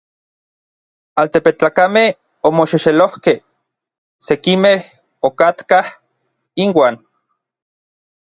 Altepetlakamej omoxexelojkej: sekimej okatkaj inuan.